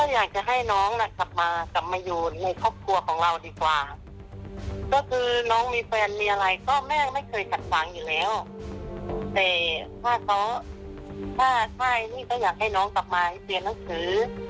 อยากให้น้องต่อมาให้เปลี่ยนนังสือ